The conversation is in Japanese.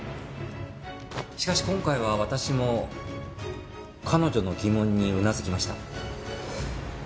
しかし今回は私も彼女の疑問にうなずきました。